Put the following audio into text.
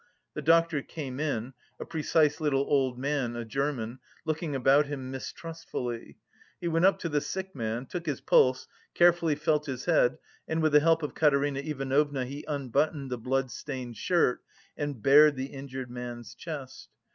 The doctor came in, a precise little old man, a German, looking about him mistrustfully; he went up to the sick man, took his pulse, carefully felt his head and with the help of Katerina Ivanovna he unbuttoned the blood stained shirt, and bared the injured man's chest.